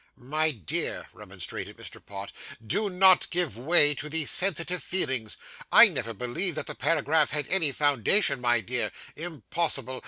'My dear,' remonstrated Mr. Pott, 'do not give way to these sensitive feelings. I never believed that the paragraph had any foundation, my dear impossible.